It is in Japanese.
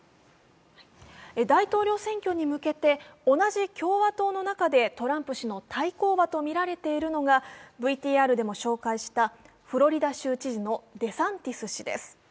大統領選挙に向けて同じ共和党の中でトランプ氏の対抗馬とみられているのがＶＴＲでも紹介したフロリダ州知事のデサンティス知事です。